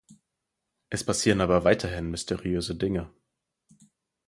Es passieren aber weiterhin mysteriöse Dinge.